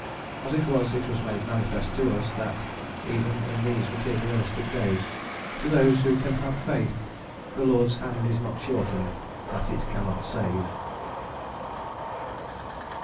As it was, it was made manifest to us that, even in these materialistic days, to those who can have faith, "the Lord's hand is not shortened, that it cannot save."